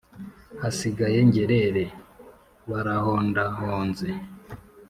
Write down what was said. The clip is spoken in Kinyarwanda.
Hasigaye ngerere Barahondahonze